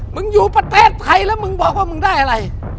อยู่ประเทศไทยแล้วมึงบอกว่ามึงได้อะไร